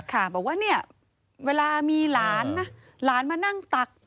ค่ะบอกว่าเนี่ยเวลามีหลานนะหลานมานั่งตัก